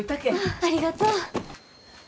ありがとう。